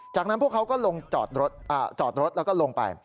จากนั้นพวกเขาก็ลงจอดรถแล้วก็ลงไป